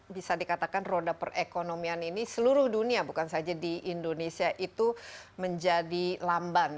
bisa dikatakan roda perekonomian ini seluruh dunia bukan saja di indonesia itu menjadi lamban